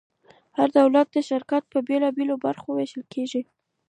هر دولتي شرکت په بیلو بیلو برخو ویشل کیږي.